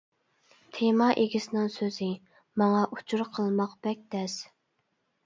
تېما ئىگىسىنىڭ سۆزى : ماڭا ئۇچۇر قىلماق بەك تەس.